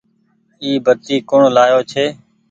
اي بتي ڪوڻ لآيو ڇي۔